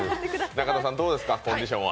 中野さん、どうでしょうか、コンディションは。